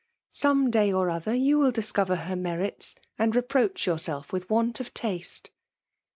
Some, day or other 3?ou Will discover her merits, and reproach yourself with want of taste."